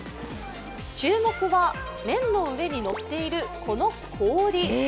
注目は麺の上にのっているこの氷。